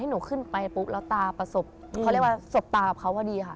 หนูขึ้นไปปุ๊บแล้วตาประสบเขาเรียกว่าสบตากับเขาพอดีค่ะ